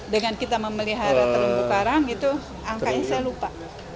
dengan kita memelihara terumbu karang itu angkanya saya lupa